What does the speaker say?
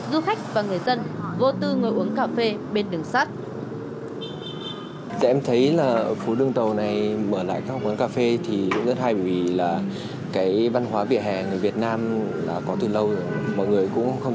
du khách và người dân vô tư ngồi uống